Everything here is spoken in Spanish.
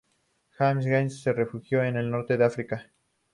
Jamal Al-Gashey se refugió en el Norte de África.